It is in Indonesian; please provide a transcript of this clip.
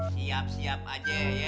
siap siap aja ya